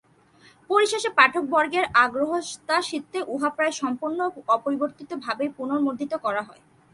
পরিশেষে পাঠকবর্গের আগ্রহাতিশষ্যে উহা প্রায় সম্পূর্ণ অপরিবর্তিত-ভাবেই পুনমুদ্রিত করা হয়।